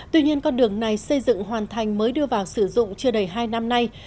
tuy nhiên con đường này xây dựng hoàn thành mới đưa vào sử dụng chưa đầy hai năm nay